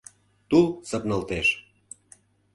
Тул сапналтеш.